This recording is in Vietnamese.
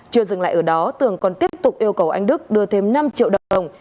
chưa dừng lại ở đó tường còn tiếp tục yêu cầu anh đức đưa thêm năm triệu đồng